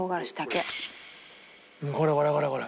これこれこれこれ！